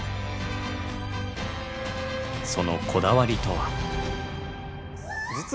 そのこだわりとは？